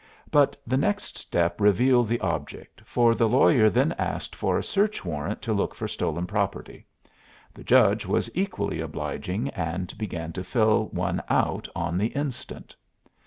But the next step revealed the object, for the lawyer then asked for a search warrant to look for stolen property. The judge was equally obliging, and began to fill one out on the instant.